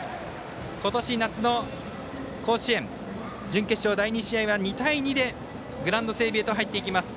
今年夏の甲子園、準決勝第２試合は２対２でグラウンド整備へと入っていきます。